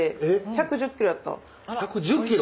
１１０キロ？